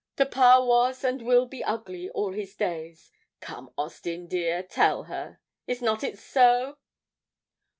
Papa was and will be ugly all his days. Come, Austin, dear, tell her is not it so?'